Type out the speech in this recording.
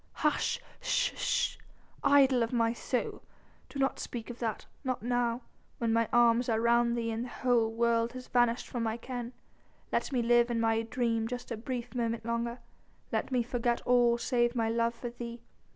"Hush sh sh, idol of my soul! Do not speak of that ... not now ... when my arms are round thee and the whole world has vanished from my ken. Let me live in my dream just a brief moment longer; let me forget all save my love for thee.